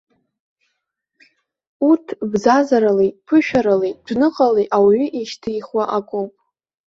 Урҭ бзазаралеи, ԥышәаралеи, дәныҟалеи ауаҩы ишьҭихуа акоуп.